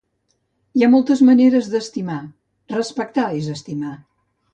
Hi ha moltes maneres d'estimar, respectar és estimar.